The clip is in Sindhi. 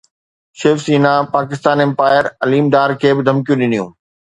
شيو سينا پاڪستان امپائر عليم ڊار کي به ڌمڪيون ڏنيون